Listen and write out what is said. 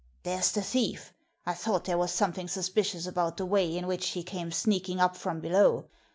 'There's the thief! I thought there was something suspicious about the way in which he came sneaking up from below.